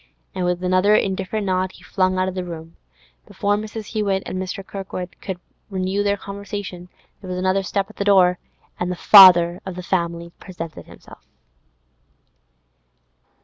And, with another indifferent nod, he flung out of the room. Before Mrs. Hewett and Kirkwood could renew their conversation, there was another step at the door, and the father of the family presented himself.